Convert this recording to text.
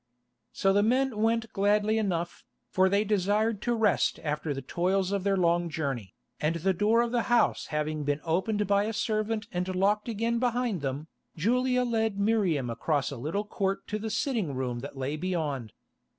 So the men went gladly enough, for they desired to rest after the toils of their long journey, and the door of the house having been opened by a servant and locked again behind them, Julia led Miriam across a little court to the sitting room that lay beyond.